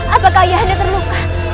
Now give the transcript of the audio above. apakah ayah anda terluka